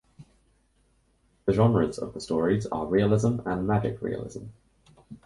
The genres of the stories are realism and magic realism.